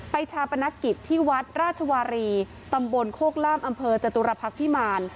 ชาปนกิจที่วัดราชวารีตำบลโคกล่ามอำเภอจตุรพักษ์พิมาร